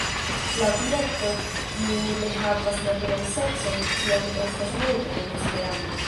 La objekto kiu ne havas naturan sekson ĉiam estas neŭtra en Esperanto.